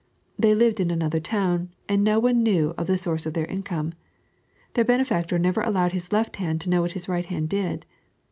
They lived in another town, and DO one knew of the source of their income. Their benefactor never allowed his left hand to know what his right hand did.